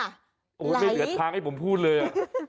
ไม่เหลือทางให้ผมพูดเลย